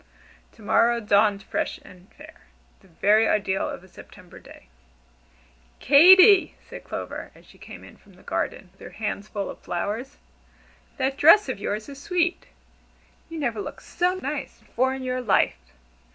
To morrow dawned fresh and fair the very ideal of a September day. "Katy!" said Clover, as she came in from the garden with her hands full of flowers, "that dress of yours is sweet. You never looked so nice before in your life!"